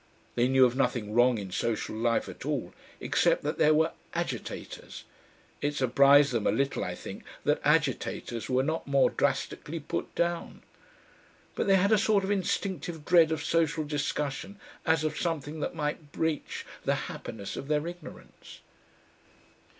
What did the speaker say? They knew of nothing wrong in social life at all except that there were "Agitators." It surprised them a little, I think, that Agitators were not more drastically put down. But they had a sort of instinctive dread of social discussion as of something that might breach the happiness of their ignorance....